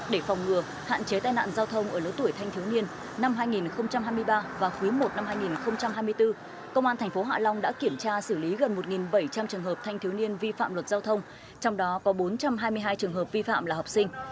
để phòng ngừa hạn chế tai nạn giao thông ở lứa tuổi thanh thiếu niên năm hai nghìn hai mươi ba và quý i năm hai nghìn hai mươi bốn công an tp hạ long đã kiểm tra xử lý gần một bảy trăm linh trường hợp thanh thiếu niên vi phạm luật giao thông trong đó có bốn trăm hai mươi hai trường hợp vi phạm là học sinh